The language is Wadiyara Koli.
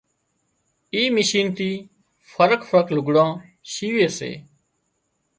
اي مشين ٿي فرق فرق لگھڙان شيوي سي